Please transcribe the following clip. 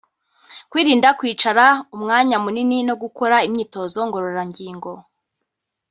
kwirinda kwicara umwanya munini no gukora imyitozo ngororangingo